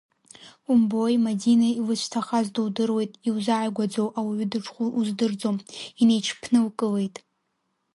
Умбои, Мадина илыцәҭахаз дудыруеит, иузааигәаӡоу ауаҩы дышхәу уздырӡом, инеиҽԥнылкылеит.